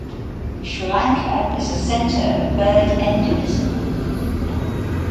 Sri Lanka is a centre of bird endemism.